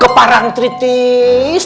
ke parang tritis